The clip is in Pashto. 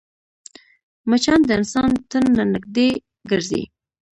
مچان د انسان تن ته نږدې ګرځي